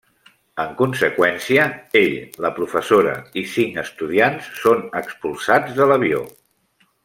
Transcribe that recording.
En conseqüència ell, la professora i cinc estudiants són expulsats de l'avió.